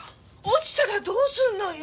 落ちたらどうすんのよ？